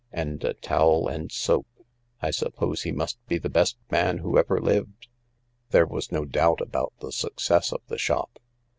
" And a towel and soap 1 I suppose he must be the best man who ever lived." There was no doubt about the success of the shop.